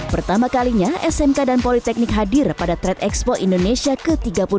pertama kalinya smk dan politeknik hadir pada trade expo indonesia ke tiga puluh delapan